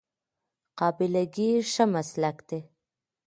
قابله ګي ښه مسلک دی